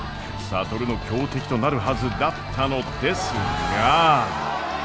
智の強敵となるはずだったのですが。